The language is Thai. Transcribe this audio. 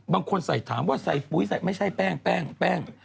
บางคนใส่ถามว่าใส่ไม่ใช่แป้ง